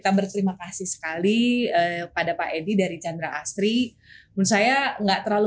astri menurut saya gak terlalu